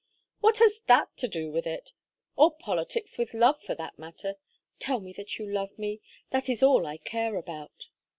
"What has that to do with it? Or politics with love, for that matter? Tell me that you love me. That is all I care about."